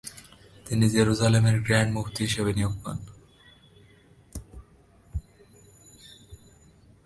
তিনি জেরুসালেমের গ্র্যান্ড মুফতি হিসেবে নিয়োগ পান।